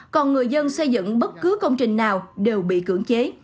còn người dân xây dựng bất cứ công trình nào đều bị cưỡng chế